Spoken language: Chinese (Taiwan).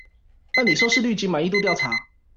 辦理收視率及滿意度調查